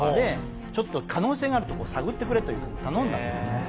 ちょっと可能性がある所を探ってくれという風に頼んだんですね。